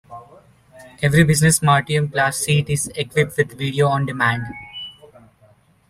Every business "smartium" class seat is equipped with video on demand.